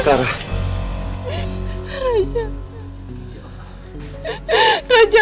suka mau printers theresio ya